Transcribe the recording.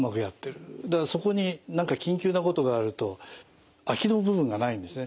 そこに何か緊急なことがあると空きの部分がないんですね。